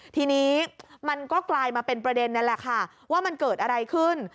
ทีนี้มันก็กลายมาเป็นประเด็นนั่นแหละค่ะว่ามันเกิดอะไรขึ้น